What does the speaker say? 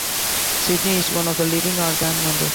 Sidney is one of the living "Our Gang" members.